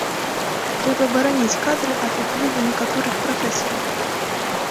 Трэба бараніць кадры ад уплыву некаторых прафесараў.